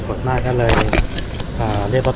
ภาษาสนิทยาลัยสุดท้าย